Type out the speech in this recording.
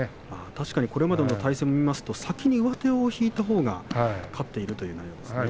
確かにこれまでの対戦を見ますと先に上手を引いたほうが勝っているという展開ですね。